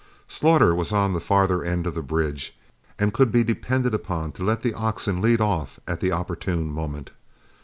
Slaughter was on the farther end of the bridge, and could be depended on to let the oxen lead off at the opportune moment.